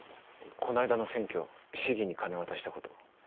この間の選挙市議に金渡したこと。